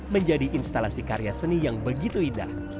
menjadi instalasi karya seni yang begitu indah